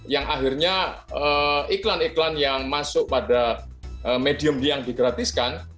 yang akhirnya iklan iklan yang masuk pada medium yang digratiskan